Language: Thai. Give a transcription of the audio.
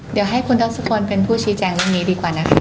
เดี๋ยวให้คุณทศพลเป็นผู้ชี้แจงเรื่องนี้ดีกว่านะคะ